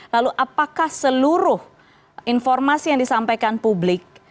lalu apakah seluruh informasi yang disampaikan publik